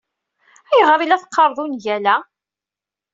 Ayɣer ay la teqqareḍ ungal-a?